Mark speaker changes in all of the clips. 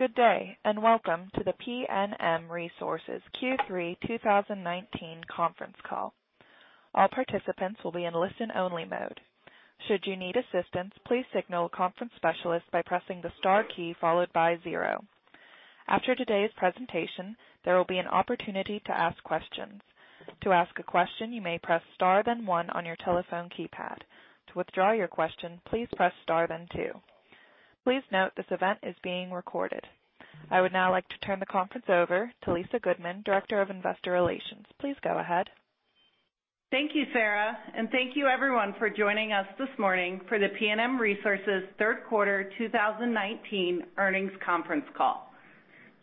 Speaker 1: Good day. Welcome to the PNM Resources Q3 2019 conference call. All participants will be in listen-only mode. Should you need assistance, please signal a conference specialist by pressing the star key followed by zero. After today's presentation, there will be an opportunity to ask questions. To ask a question, you may press star then one on your telephone keypad. To withdraw your question, please press star then two. Please note this event is being recorded. I would now like to turn the conference over to Lisa Goodman, Director of Investor Relations. Please go ahead.
Speaker 2: Thank you, Sarah, and thank you everyone for joining us this morning for the PNM Resources third quarter 2019 earnings conference call.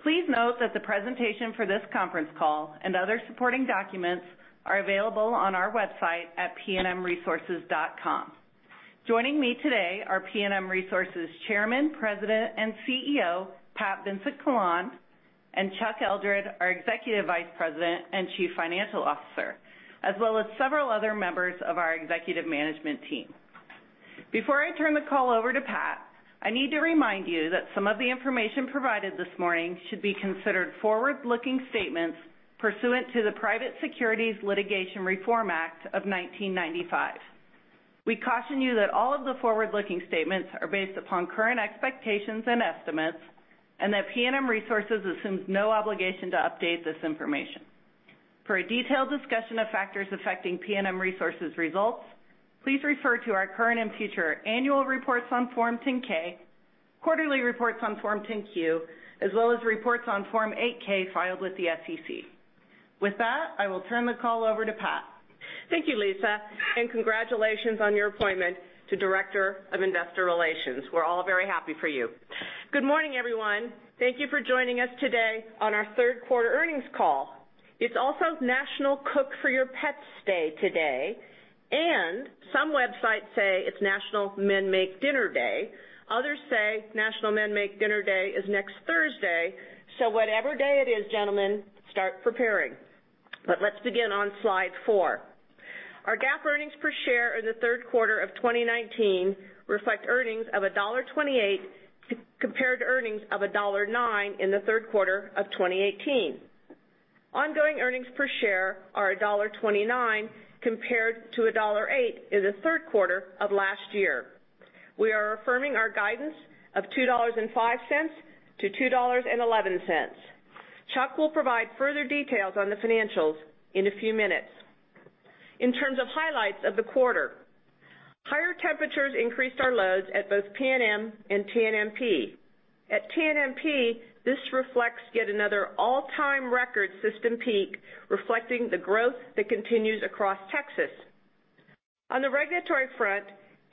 Speaker 2: Please note that the presentation for this conference call and other supporting documents are available on our website at pnmresources.com. Joining me today are PNM Resources Chairman, President, and CEO, Pat Vincent-Collawn and Chuck Eldred, our Executive Vice President and Chief Financial Officer, as well as several other members of our executive management team. Before I turn the call over to Pat, I need to remind you that some of the information provided this morning should be considered forward-looking statements pursuant to the Private Securities Litigation Reform Act of 1995. We caution you that all of the forward-looking statements are based upon current expectations and estimates and that PNM Resources assumes no obligation to update this information. For a detailed discussion of factors affecting PNM Resources results, please refer to our current and future annual reports on Form 10-K, quarterly reports on Form 10-Q, as well as reports on Form 8-K filed with the SEC. With that, I will turn the call over to Pat.
Speaker 3: Thank you, Lisa, and congratulations on your appointment to Director of Investor Relations. We're all very happy for you. Good morning, everyone. Thank you for joining us today on our third quarter earnings call. It's also National Cook for Your Pets Day today, and some websites say it's National Men Make Dinner Day. Others say National Men Make Dinner Day is next Thursday. Whatever day it is, gentlemen, start preparing. Let's begin on slide four. Our GAAP earnings per share in the third quarter of 2019 reflect earnings of $1.28 compared to earnings of $1.09 in the third quarter of 2018. Ongoing earnings per share are $1.29 compared to $1.08 in the third quarter of last year. We are affirming our guidance of $2.05-$2.11. Chuck will provide further details on the financials in a few minutes. In terms of highlights of the quarter, higher temperatures increased our loads at both PNM and TNMP. At TNMP, this reflects yet another all-time record system peak, reflecting the growth that continues across Texas. On the regulatory front,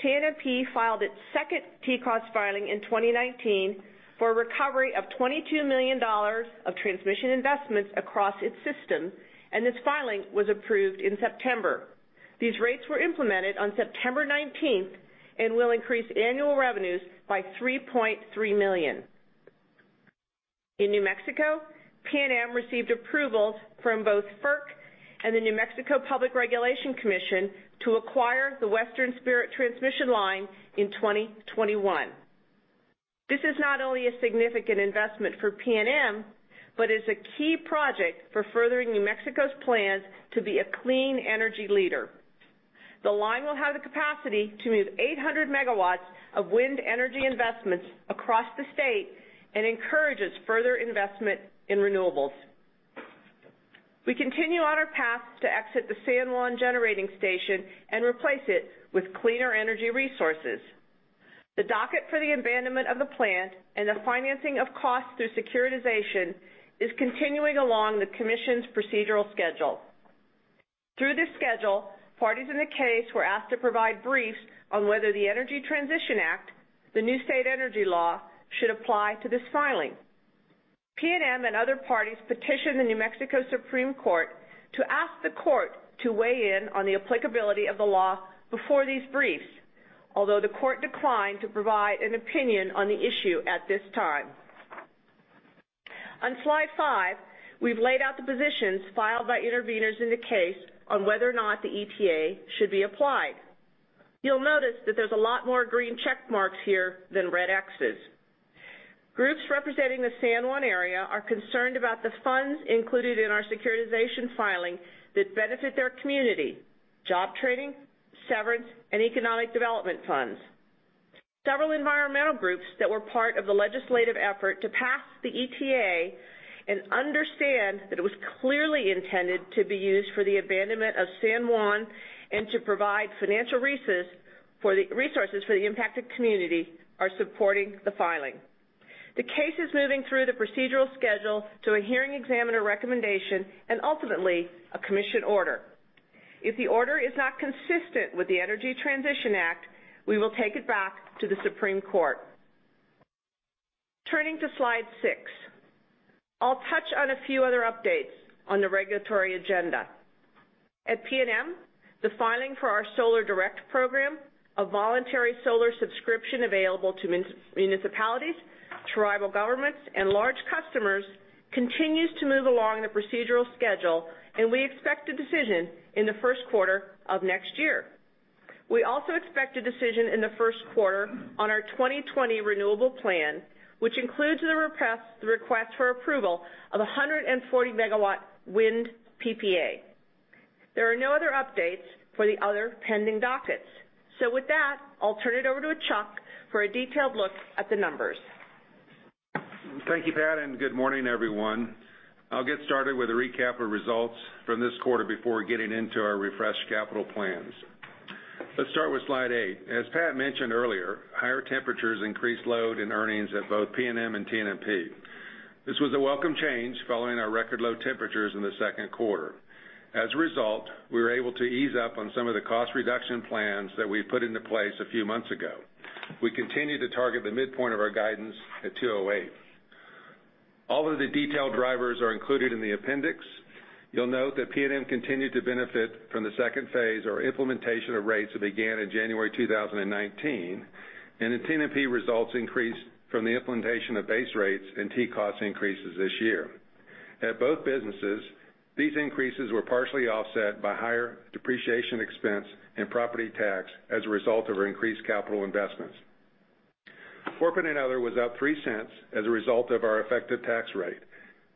Speaker 3: TNMP filed its second TCOS filing in 2019 for a recovery of $22 million of transmission investments across its system. This filing was approved in September. These rates were implemented on September 19th and will increase annual revenues by $3.3 million. In New Mexico, PNM received approvals from both FERC and the New Mexico Public Regulation Commission to acquire the Western Spirit transmission line in 2021. This is not only a significant investment for PNM but is a key project for furthering New Mexico's plans to be a clean energy leader. The line will have the capacity to move 800 megawatts of wind energy investments across the state and encourages further investment in renewables. We continue on our path to exit the San Juan Generating Station and replace it with cleaner energy resources. The docket for the abandonment of the plant and the financing of costs through securitization is continuing along the commission's procedural schedule. Through this schedule, parties in the case were asked to provide briefs on whether the Energy Transition Act, the new state energy law, should apply to this filing. PNM and other parties petitioned the New Mexico Supreme Court to ask the court to weigh in on the applicability of the law before these briefs. Although the court declined to provide an opinion on the issue at this time. On slide five, we've laid out the positions filed by interveners in the case on whether or not the ETA should be applied. You'll notice that there's a lot more green check marks here than red X's. Groups representing the San Juan area are concerned about the funds included in our securitization filing that benefit their community, job training, severance, and economic development funds. Several environmental groups that were part of the legislative effort to pass the ETA and understand that it was clearly intended to be used for the abandonment of San Juan and to provide financial resources for the impacted community are supporting the filing. The case is moving through the procedural schedule to a hearing examiner recommendation and ultimately a commission order. If the order is not consistent with the Energy Transition Act, we will take it back to the Supreme Court. Turning to slide six, I'll touch on a few other updates on the regulatory agenda. At PNM, the filing for our Solar Direct program, a voluntary solar subscription available to municipalities, tribal governments, and large customers, continues to move along the procedural schedule, and we expect a decision in the first quarter of next year. We also expect a decision in the first quarter on our 2020 renewable plan, which includes the request for approval of 140 MW wind PPA. There are no other updates for the other pending dockets. With that, I'll turn it over to Chuck for a detailed look at the numbers.
Speaker 4: Thank you, Pat, good morning, everyone. I'll get started with a recap of results from this quarter before getting into our refreshed capital plans. Let's start with slide eight. As Pat mentioned earlier, higher temperatures increased load and earnings at both PNM and TNMP. This was a welcome change following our record low temperatures in the second quarter. As a result, we were able to ease up on some of the cost reduction plans that we put into place a few months ago. We continue to target the midpoint of our guidance at $2.08. All of the detailed drivers are included in the appendix. You'll note that PNM continued to benefit from the second phase or implementation of rates that began in January 2019, and the TNMP results increased from the implementation of base rates and TCOS increases this year. At both businesses, these increases were partially offset by higher depreciation expense and property tax as a result of our increased capital investments. Corporate and other was up $0.03 as a result of our effective tax rate.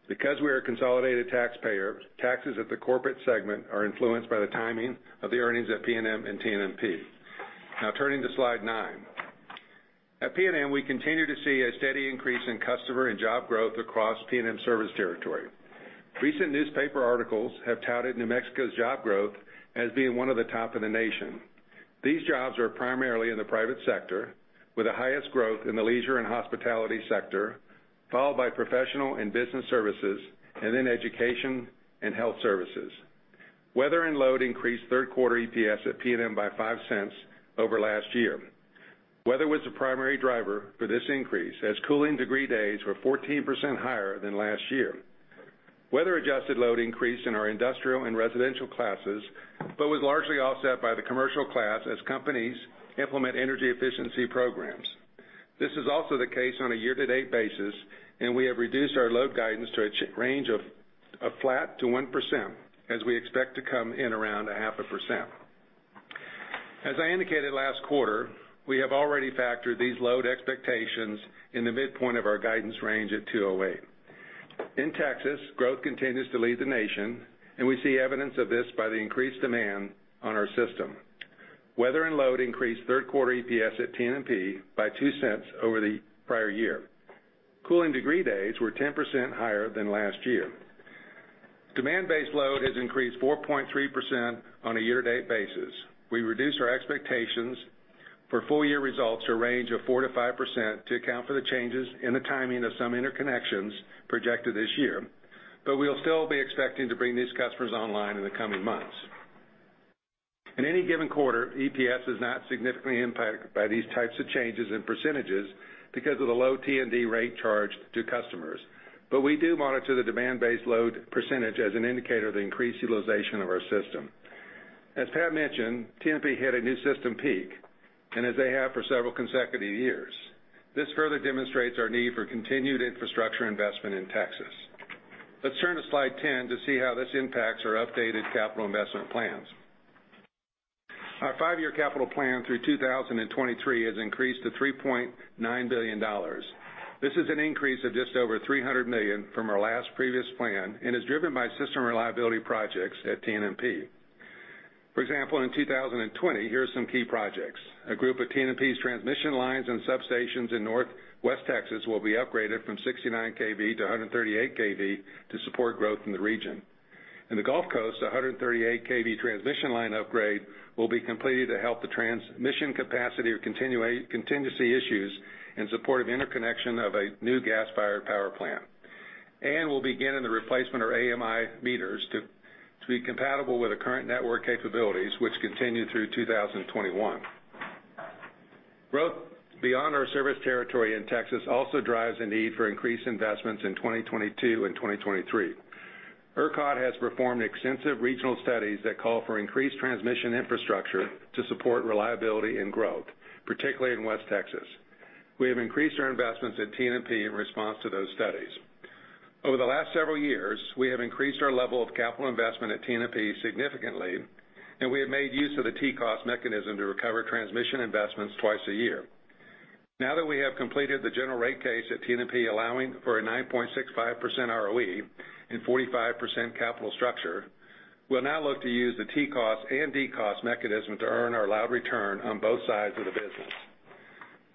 Speaker 4: Because we are a consolidated taxpayer, taxes at the corporate segment are influenced by the timing of the earnings at PNM and TNMP. Now turning to slide nine. At PNM, we continue to see a steady increase in customer and job growth across PNM's service territory. Recent newspaper articles have touted New Mexico's job growth as being one of the top in the nation. These jobs are primarily in the private sector, with the highest growth in the leisure and hospitality sector, followed by professional and business services, and then education and health services. Weather and load increased third quarter EPS at PNM by $0.05 over last year. Weather was the primary driver for this increase, as cooling degree days were 14% higher than last year. Weather-adjusted load increased in our industrial and residential classes, but was largely offset by the commercial class as companies implement energy efficiency programs. This is also the case on a year-to-date basis, and we have reduced our load guidance to a range of flat to 1%, as we expect to come in around 0.5%. As I indicated last quarter, we have already factored these load expectations in the midpoint of our guidance range at $2.08. In Texas, growth continues to lead the nation, and we see evidence of this by the increased demand on our system. Weather and load increased third quarter EPS at TNMP by $0.02 over the prior year. Cooling degree days were 10% higher than last year. Demand-based load has increased 4.3% on a year-to-date basis. We reduced our expectations for full-year results to a range of 4%-5% to account for the changes in the timing of some interconnections projected this year, but we'll still be expecting to bring these customers online in the coming months. In any given quarter, EPS is not significantly impacted by these types of changes in percentages because of the low T&D rate charge to customers. We do monitor the demand-based load percentage as an indicator of the increased utilization of our system. As Pat mentioned, TNMP hit a new system peak, and as they have for several consecutive years. This further demonstrates our need for continued infrastructure investment in Texas. Let's turn to slide 10 to see how this impacts our updated capital investment plans. Our five-year capital plan through 2023 has increased to $3.9 billion. This is an increase of just over $300 million from our last previous plan and is driven by system reliability projects at TNMP. For example, in 2020, here are some key projects. A group of TNMP's transmission lines and substations in Northwest Texas will be upgraded from 69 kV to 138 kV to support growth in the region. In the Gulf Coast, 138 kV transmission line upgrade will be completed to help the transmission capacity or contingency issues in support of interconnection of a new gas-fired power plant. We'll begin the replacement of AMI meters to be compatible with the current network capabilities, which continue through 2021. Growth beyond our service territory in Texas also drives a need for increased investments in 2022 and 2023. ERCOT has performed extensive regional studies that call for increased transmission infrastructure to support reliability and growth, particularly in West Texas. We have increased our investments at TNMP in response to those studies. Over the last several years, we have increased our level of capital investment at TNMP significantly, and we have made use of the TCOS mechanism to recover transmission investments twice a year. Now that we have completed the general rate case at TNMP, allowing for a 9.65% ROE and 45% capital structure, we'll now look to use the TCOS and DCOS mechanism to earn our allowed return on both sides of the business.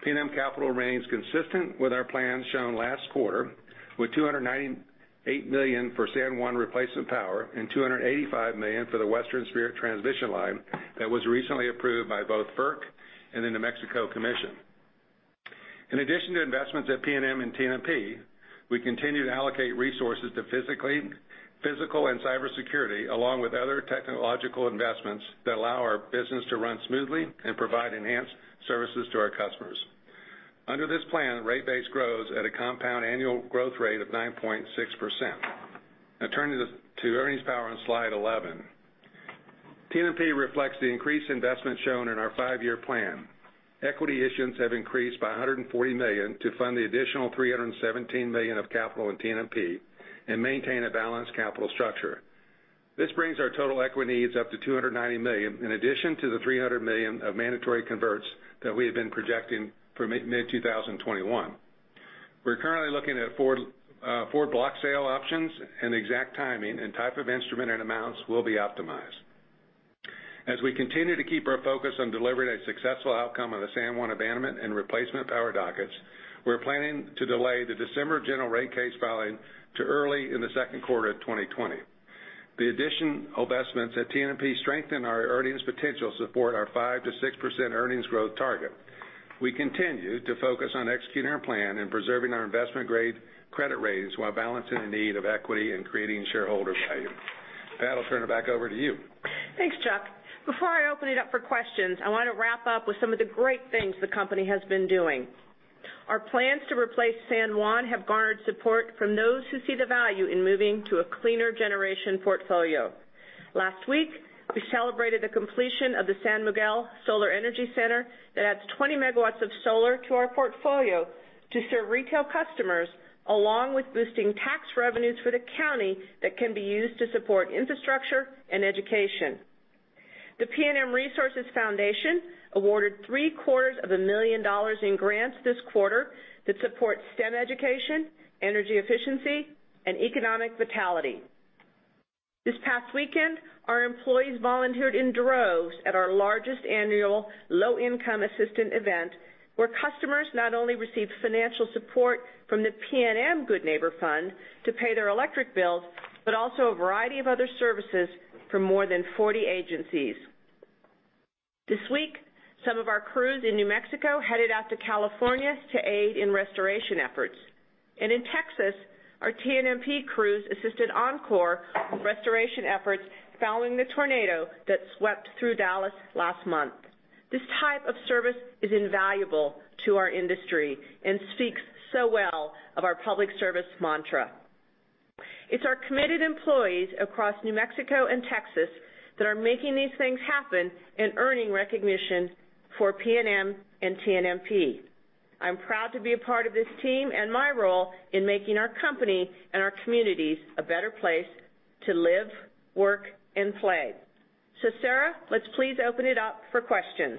Speaker 4: PNM capital remains consistent with our plan shown last quarter, with $298 million for San Juan replacement power and $285 million for the Western Spirit transmission line that was recently approved by both FERC and the New Mexico Commission. In addition to investments at PNM and TNMP, we continue to allocate resources to physical and cybersecurity, along with other technological investments that allow our business to run smoothly and provide enhanced services to our customers. Under this plan, rate base grows at a compound annual growth rate of 9.6%. Now turning to earnings power on slide 11. TNMP reflects the increased investment shown in our five-year plan. Equity issuance have increased by $140 million to fund the additional $317 million of capital in TNMP and maintain a balanced capital structure. This brings our total equity needs up to $290 million, in addition to the $300 million of mandatory converts that we have been projecting for mid-2021. We're currently looking at four block sale options, and the exact timing and type of instrument and amounts will be optimized. As we continue to keep our focus on delivering a successful outcome on the San Juan abandonment and replacement power dockets, we're planning to delay the December general rate case filing to early in the second quarter of 2020. The additional investments at TNMP strengthen our earnings potential to support our 5%-6% earnings growth target. We continue to focus on executing our plan and preserving our investment-grade credit ratings while balancing the need of equity and creating shareholder value. Pat, I'll turn it back over to you.
Speaker 3: Thanks, Chuck. Before I open it up for questions, I want to wrap up with some of the great things the company has been doing. Our plans to replace San Juan have garnered support from those who see the value in moving to a cleaner generation portfolio. Last week, we celebrated the completion of the San Miguel Solar Energy Center that adds 20 megawatts of solar to our portfolio to serve retail customers, along with boosting tax revenues for the county that can be used to support infrastructure and education. The PNM Resources Foundation awarded three-quarters of a million dollars in grants this quarter that support STEM education, energy efficiency, and economic vitality. This past weekend, our employees volunteered in droves at our largest annual low-income assistant event, where customers not only received financial support from the PNM Good Neighbor Fund to pay their electric bills, but also a variety of other services from more than 40 agencies. This week, some of our crews in New Mexico headed out to California to aid in restoration efforts. In Texas, our TNMP crews assisted Oncor restoration efforts following the tornado that swept through Dallas last month. This type of service is invaluable to our industry and speaks so well of our public service mantra. It's our committed employees across New Mexico and Texas that are making these things happen and earning recognition for PNM and TNMP. I'm proud to be a part of this team and my role in making our company and our communities a better place to live, work, and play. Sarah, let's please open it up for questions.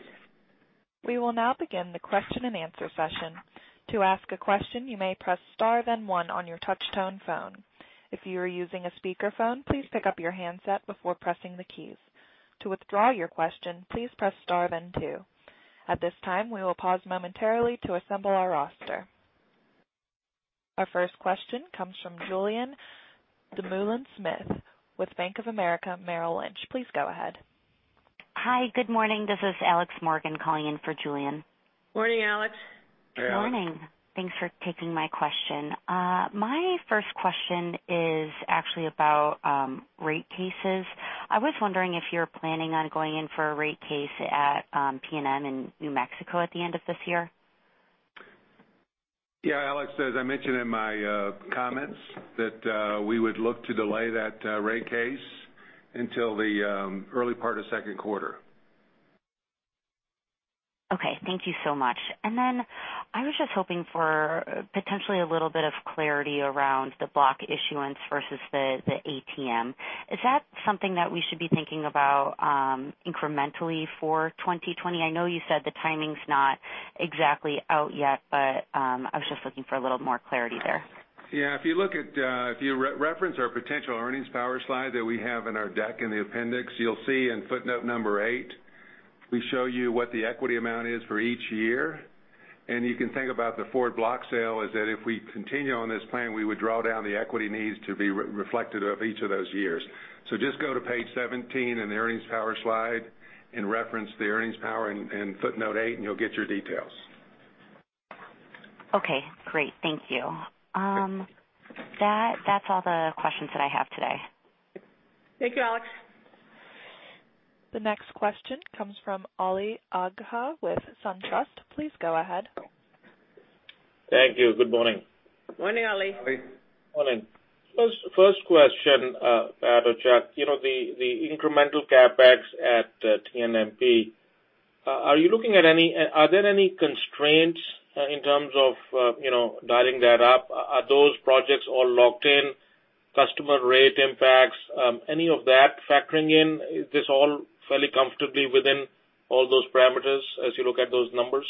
Speaker 1: We will now begin the question-and-answer session. To ask a question, you may press star then one on your touch-tone phone. If you are using a speakerphone, please pick up your handset before pressing the keys. To withdraw your question, please press star then two. At this time, we will pause momentarily to assemble our roster. Our first question comes from Julien Dumoulin-Smith with Bank of America Merrill Lynch. Please go ahead.
Speaker 5: Hi. Good morning. This is Alex Morgan calling in for Julien.
Speaker 3: Morning, Alex.
Speaker 4: Hey, Alex.
Speaker 5: Morning. Thanks for taking my question. My first question is actually about rate cases. I was wondering if you're planning on going in for a rate case at PNM in New Mexico at the end of this year.
Speaker 4: Yeah, Alex, as I mentioned in my comments, that we would look to delay that rate case until the early part of the second quarter.
Speaker 5: Okay, thank you so much. Then I was just hoping for potentially a little bit of clarity around the block issuance versus the ATM. Is that something that we should be thinking about incrementally for 2020? I know you said the timing's not exactly out yet, but I was just looking for a little more clarity there.
Speaker 4: If you reference our potential earnings power slide that we have in our deck in the appendix, you'll see in footnote number eight, we show you what the equity amount is for each year. You can think about the forward block sale as that if we continue on this plan, we would draw down the equity needs to be reflected of each of those years. Just go to page 17 in the earnings power slide and reference the earnings power in footnote eight, and you'll get your details.
Speaker 5: Okay, great. Thank you.
Speaker 4: Okay.
Speaker 5: That is all the questions that I have today.
Speaker 3: Thank you, Alex.
Speaker 1: The next question comes from Ali Agha with SunTrust. Please go ahead.
Speaker 6: Thank you. Good morning.
Speaker 3: Morning, Ali.
Speaker 4: Ali.
Speaker 6: Morning. First question, Pat or Chuck, the incremental CapEx at TNMP, are there any constraints in terms of dialing that up? Are those projects all locked in, customer rate impacts, any of that factoring in? Is this all fairly comfortably within all those parameters as you look at those numbers?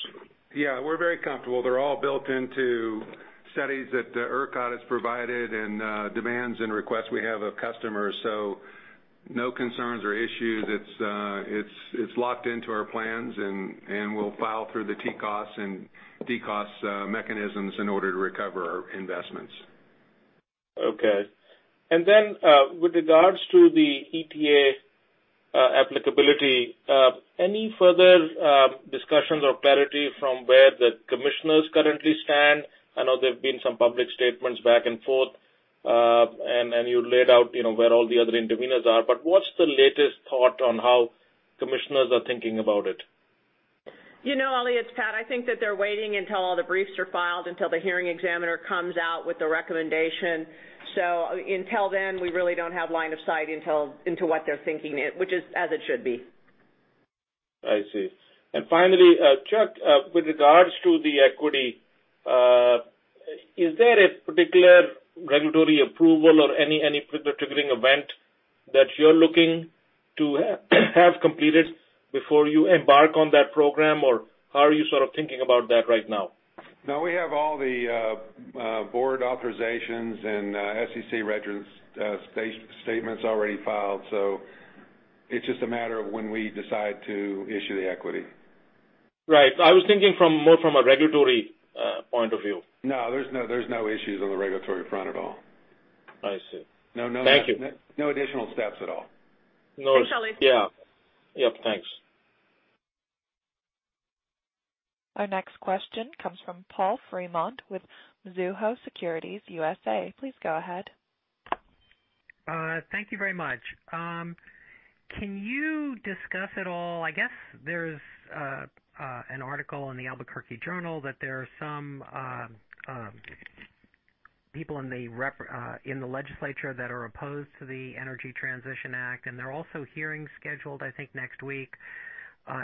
Speaker 4: We're very comfortable. They're all built into studies that ERCOT has provided and demands and requests we have of customers. No concerns or issues. It's locked into our plans, and we'll file through the TCOS and DCOS mechanisms in order to recover our investments.
Speaker 6: Okay. With regards to the ETA applicability, any further discussions or clarity from where the commissioners currently stand? I know there have been some public statements back and forth, and you laid out where all the other intervenors are. What's the latest thought on how commissioners are thinking about it?
Speaker 3: Ali, it's Pat. I think that they're waiting until all the briefs are filed, until the hearing examiner comes out with the recommendation. Until then, we really don't have line of sight into what they're thinking, which is as it should be.
Speaker 6: I see. Finally, Chuck, with regards to the equity. Is there a particular regulatory approval or any particular triggering event that you're looking to have completed before you embark on that program? How are you sort of thinking about that right now?
Speaker 4: No, we have all the board authorizations and SEC statements already filed. It's just a matter of when we decide to issue the equity.
Speaker 6: Right. I was thinking more from a regulatory point of view.
Speaker 4: No, there's no issues on the regulatory front at all.
Speaker 6: I see.
Speaker 4: No.
Speaker 6: Thank you.
Speaker 4: No additional steps at all.
Speaker 3: Thanks, Ali.
Speaker 6: Yeah. Yep, thanks.
Speaker 1: Our next question comes from Paul Fremont with Mizuho Securities USA. Please go ahead.
Speaker 7: Thank you very much. Can you discuss at all, I guess there's an article in the Albuquerque Journal that there are some people in the legislature that are opposed to the Energy Transition Act, and there are also hearings scheduled, I think, next week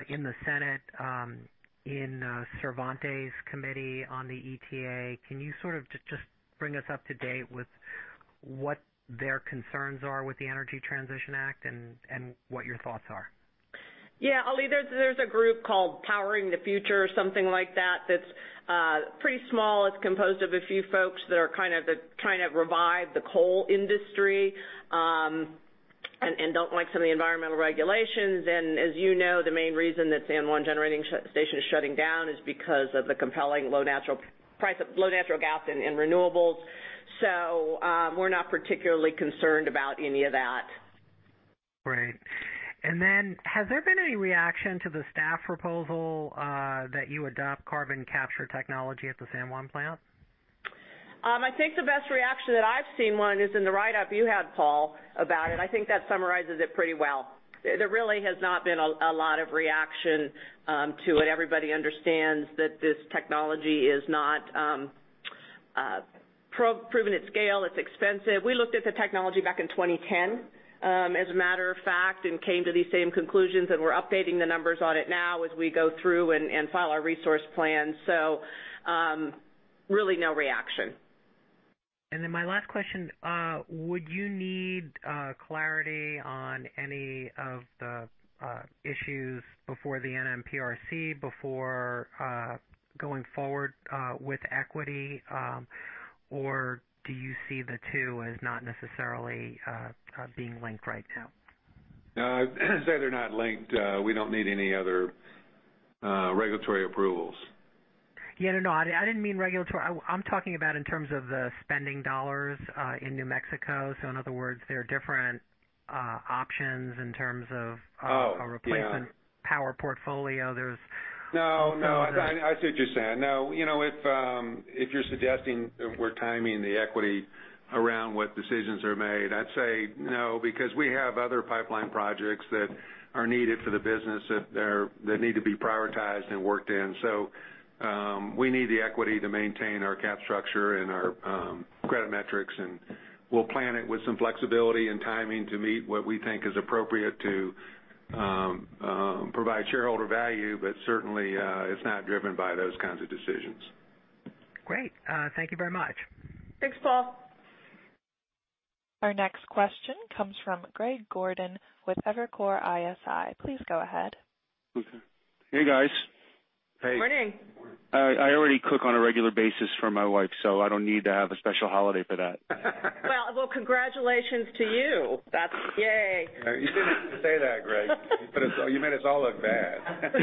Speaker 7: in the Senate, in Cervantes Committee on the ETA. Can you sort of just bring us up to date with what their concerns are with the Energy Transition Act and what your thoughts are?
Speaker 3: Yeah, Ali, there's a group called Power the Future or something like that's pretty small. It's composed of a few folks that are kind of trying to revive the coal industry, and don't like some of the environmental regulations. As you know, the main reason that San Juan generating station is shutting down is because of the compelling price of low natural gas and renewables. We're not particularly concerned about any of that.
Speaker 7: Great. Has there been any reaction to the staff proposal that you adopt carbon capture technology at the San Juan plant?
Speaker 3: I think the best reaction that I've seen on it is in the write-up you had, Paul, about it. I think that summarizes it pretty well. There really has not been a lot of reaction to it. Everybody understands that this technology is not proven at scale. It's expensive. We looked at the technology back in 2010, as a matter of fact, and came to the same conclusions, and we're updating the numbers on it now as we go through and file our resource plan. Really no reaction.
Speaker 7: My last question, would you need clarity on any of the issues before the NMPRC before going forward with equity? Do you see the two as not necessarily being linked right now?
Speaker 4: I'd say they're not linked. We don't need any other regulatory approvals.
Speaker 7: Yeah, no, I didn't mean regulatory. I'm talking about in terms of the spending dollars in New Mexico. In other words, there are different options in terms of-
Speaker 4: Oh, yeah.
Speaker 7: a replacement power portfolio.
Speaker 4: No, I see what you're saying. No, if you're suggesting that we're timing the equity around what decisions are made, I'd say no, because we have other pipeline projects that are needed for the business that need to be prioritized and worked in. We need the equity to maintain our cap structure and our credit metrics, and we'll plan it with some flexibility and timing to meet what we think is appropriate to provide shareholder value. Certainly, it's not driven by those kinds of decisions.
Speaker 7: Great. Thank you very much.
Speaker 3: Thanks, Paul.
Speaker 1: Our next question comes from Greg Gordon with Evercore ISI. Please go ahead.
Speaker 8: Hey, guys.
Speaker 4: Hey.
Speaker 3: Morning.
Speaker 8: I already cook on a regular basis for my wife, so I don't need to have a special holiday for that.
Speaker 3: Well, congratulations to you. That's yay.
Speaker 4: You didn't have to say that, Greg. You made us all look bad.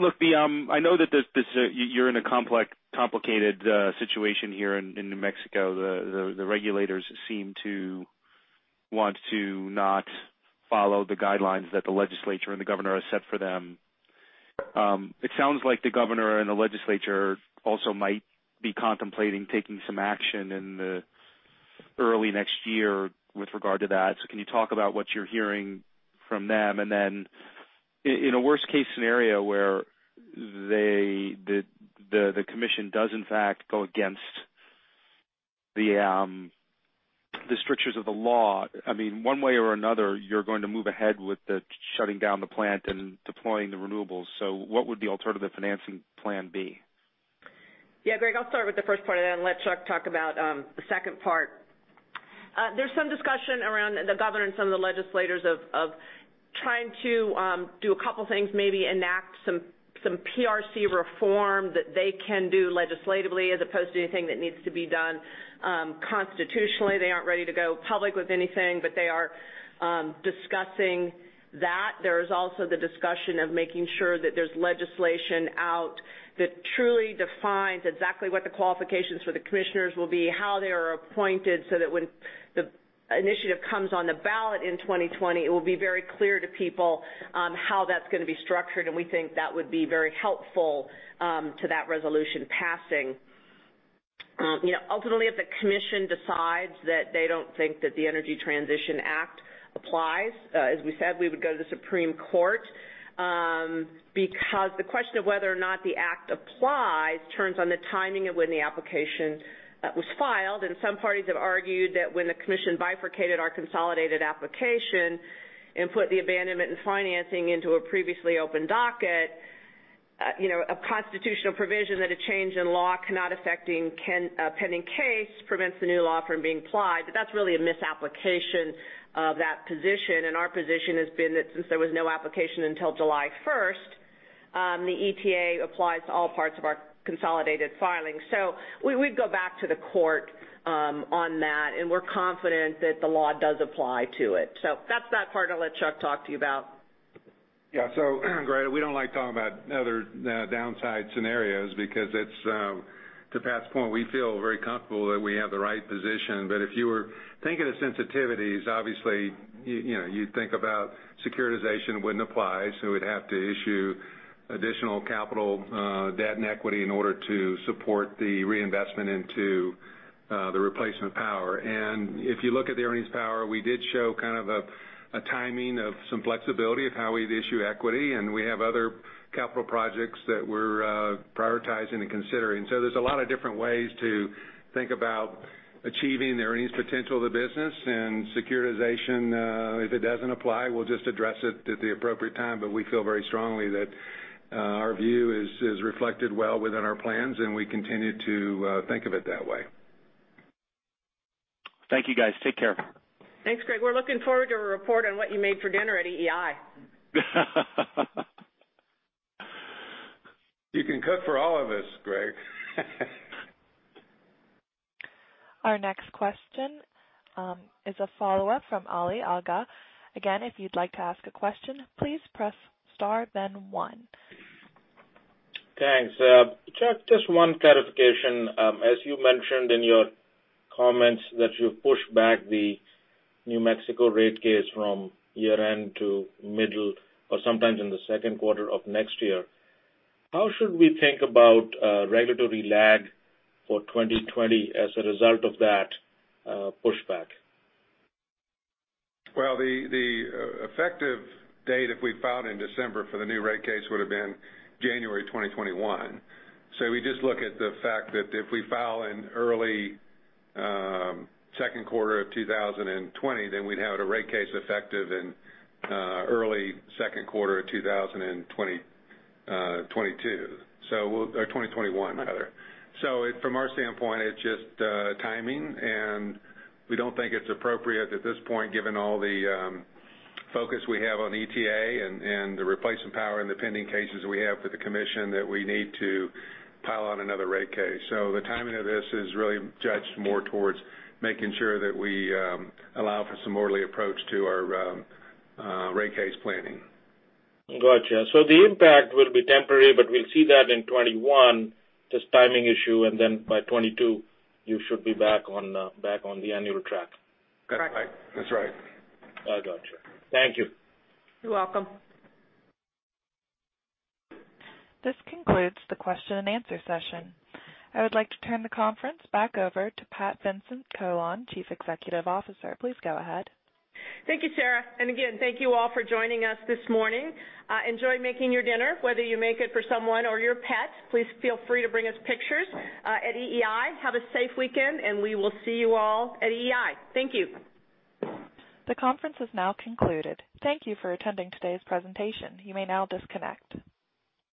Speaker 8: Look, I know that you're in a complicated situation here in New Mexico. The regulators seem to want to not follow the guidelines that the legislature and the governor has set for them. It sounds like the governor and the legislature also might be contemplating taking some action in early next year with regard to that. Can you talk about what you're hearing from them? In a worst-case scenario where the commission does in fact, go against the strictures of the law, one way or another, you're going to move ahead with the shutting down the plant and deploying the renewables. What would the alternative financing plan be?
Speaker 3: Yeah, Greg, I'll start with the first part of that and let Chuck talk about the second part. There's some discussion around the governor and some of the legislators of trying to do a couple things, maybe enact some PRC reform that they can do legislatively as opposed to anything that needs to be done constitutionally. They aren't ready to go public with anything, but they are discussing that. There's also the discussion of making sure that there's legislation out that truly defines exactly what the qualifications for the commissioners will be, how they are appointed, so that when the initiative comes on the ballot in 2020, it will be very clear to people how that's going to be structured, and we think that would be very helpful to that resolution passing. Ultimately, if the commission decides that they don't think that the Energy Transition Act applies, as we said, we would go to the Supreme Court, because the question of whether or not the act applies turns on the timing of when the application was filed, and some parties have argued that when the commission bifurcated our consolidated application and put the abandonment and financing into a previously open docket. A constitutional provision that a change in law cannot affect a pending case prevents the new law from being applied. That's really a misapplication of that position. Our position has been that since there was no application until July 1st, the ETA applies to all parts of our consolidated filings. We'd go back to the court on that, and we're confident that the law does apply to it. That's that part I'll let Chuck talk to you about.
Speaker 4: Yeah. Greg, we don't like talking about other downside scenarios because, to Pat's point, we feel very comfortable that we have the right position. If you were thinking of sensitivities, obviously, you'd think about securitization wouldn't apply. We'd have to issue additional capital, debt, and equity in order to support the reinvestment into the replacement power. If you look at the earnings power, we did show kind of a timing of some flexibility of how we'd issue equity, and we have other capital projects that we're prioritizing and considering. There's a lot of different ways to think about achieving the earnings potential of the business. Securitization, if it doesn't apply, we'll just address it at the appropriate time. We feel very strongly that our view is reflected well within our plans, and we continue to think of it that way.
Speaker 8: Thank you, guys. Take care.
Speaker 3: Thanks, Greg. We're looking forward to a report on what you made for dinner at EEI.
Speaker 4: You can cook for all of us, Greg.
Speaker 1: Our next question is a follow-up from Ali Agha. If you'd like to ask a question, please press star then one.
Speaker 6: Thanks. Chuck, just one clarification. You mentioned in your comments that you pushed back the New Mexico rate case from year-end to middle or sometime in the second quarter of next year, how should we think about regulatory lag for 2020 as a result of that pushback?
Speaker 4: The effective date, if we filed in December for the new rate case, would've been January 2021. We just look at the fact that if we file in early second quarter of 2020, then we'd have a rate case effective in early second quarter of 2022, or 2021, rather. From our standpoint, it's just timing, and we don't think it's appropriate at this point, given all the focus we have on ETA and the replacement power and the pending cases we have with the commission, that we need to pile on another rate case. The timing of this is really judged more towards making sure that we allow for some orderly approach to our rate case planning.
Speaker 6: Gotcha. The impact will be temporary, but we'll see that in 2021, just timing issue, and then by 2022, you should be back on the annual track.
Speaker 3: Correct.
Speaker 4: That's right.
Speaker 6: Gotcha. Thank you.
Speaker 3: You're welcome.
Speaker 1: This concludes the question and answer session. I would like to turn the conference back over to Pat Vincent-Collawn, Chief Executive Officer. Please go ahead.
Speaker 3: Thank you, Sarah. Again, thank you all for joining us this morning. Enjoy making your dinner, whether you make it for someone or your pet. Please feel free to bring us pictures at EEI. Have a safe weekend, and we will see you all at EEI. Thank you.
Speaker 1: The conference is now concluded. Thank you for attending today's presentation. You may now disconnect.